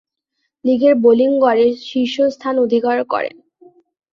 লীগের বোলিং গড়ে শীর্ষ স্থান অধিকার করেন।